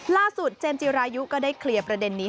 เจมส์จิรายุก็ได้เคลียร์ประเด็นนี้